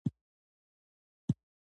د کولرا په اثر وفات شو.